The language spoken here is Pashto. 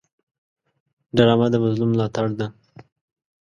ډرامه د مظلوم ملاتړ ده